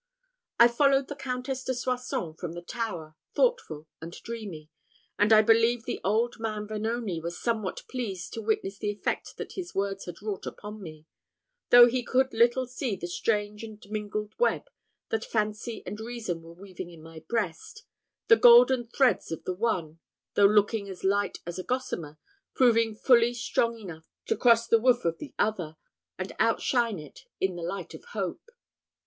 I followed the Countess de Soissons from the tower, thoughtful and dreamy; and I believe the old man Vanoni was somewhat pleased to witness the effect that his words had wrought upon me; though he could little see the strange and mingled web that fancy and reason were weaving in my breast the golden threads of the one, though looking as light as a gossamer, proving fully strong enough to cross the woof of the other, and outshine it in the light of hope.